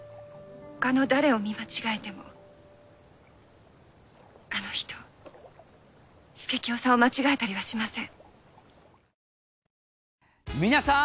他の誰を見間違えてもあの人佐清さんを間違えたりはしません。